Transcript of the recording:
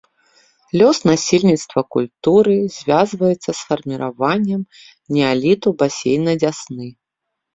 Лёс насельніцтва культуры звязваецца з фарміраваннем неаліту басейна дзясны.